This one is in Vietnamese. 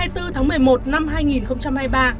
hai mươi bốn tháng một mươi một năm hai nghìn hai mươi ba